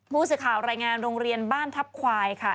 ผู้สื่อข่าวรายงานโรงเรียนบ้านทัพควายค่ะ